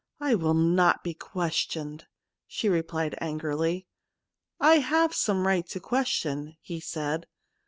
' I will not be questioned/ she replied angrily. ' I have some right to question/ he said.